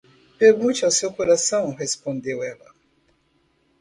Pergunte ao seu coração, respondeu ela.